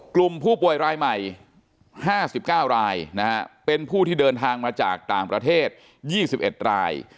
กลุ่มผู้ป่วยรายใหม่๕๙รายเป็นผู้ที่เดินทางมาจากต่างประเทศ๒๑ราย